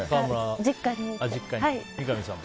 実家に。